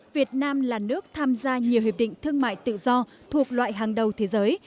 việt nam là nước tham gia nhiều hiệp định thương mại tự do thuộc loại hàng đầu thế giới